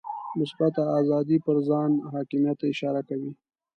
مثبته آزادي پر ځان حاکمیت ته اشاره کوي.